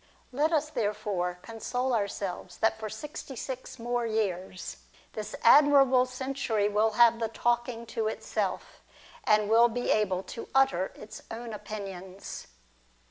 Let us therefore console ourselves that for sixty six^ more years this admirable century will have the talking to itself, and will be able to utter its own opinions.